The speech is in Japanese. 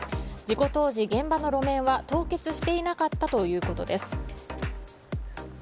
事故当時、現場の路面は凍結していなかったということです。